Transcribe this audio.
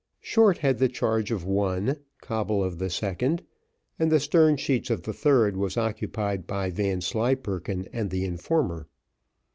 Short had the charge of one, Coble of the second, the stern sheets of the third was occupied by Vanslyperken and the informer.